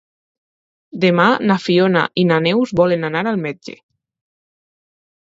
Demà na Fiona i na Neus volen anar al metge.